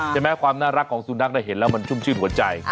ใช่ไหมความน่ารักของสุนัขได้เห็นแล้วมันชุ่มชื่นหัวใจ